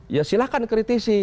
ya silahkan kritisi